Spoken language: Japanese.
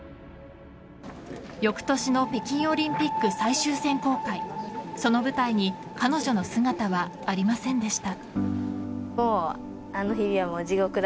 翌年の北京オリンピック最終選考会その舞台に彼女の姿はありませんでした。